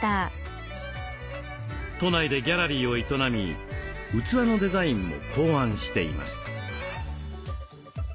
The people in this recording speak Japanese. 都内でギャラリーを営み器のデザインも考案しています。